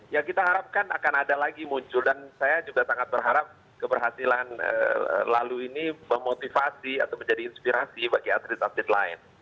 ya kita harapkan akan ada lagi muncul dan saya juga sangat berharap keberhasilan lalu ini memotivasi atau menjadi inspirasi bagi atlet atlet lain